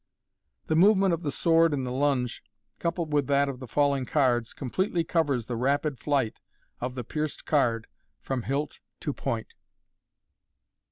The movement of the sword in the lunge, coupled with that of the falling cards, completely covers the rapid flight of the pierced card from hilt to point.